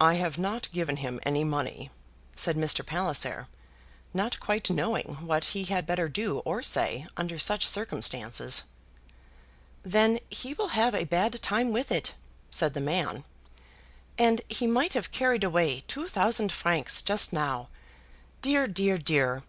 "I have not given him any money," said Mr. Palliser, not quite knowing what he had better do or say under such circumstances. "Then he will have a bad time with it," said the man. "And he might have carried away two thousand francs just now! Dear, dear, dear!